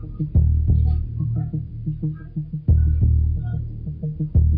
เราก็ไม่ได้ว่าอะไรแล้วเราไม่ได้ห้ามให้เขามารับรับได้